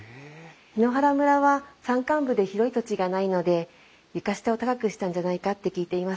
檜原村は山間部で広い土地がないので床下を高くしたんじゃないかって聞いています。